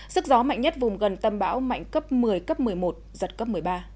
sức gió mạnh nhất vùng gần tâm bão mạnh cấp một mươi cấp một mươi một giật cấp một mươi ba